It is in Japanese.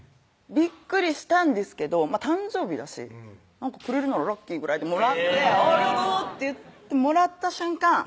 びっくりしたんですけど誕生日だしくれるならラッキーぐらいでもらって「ありがとう」って言ってもらった瞬間